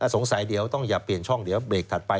สงสัยเดี๋ยวต้องอย่าเปลี่ยนช่องเดี๋ยวเบรกถัดไป